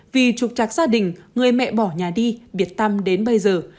vì trục chặt gia đình người mẹ bỏ nhà đi biệt tâm đến bây giờ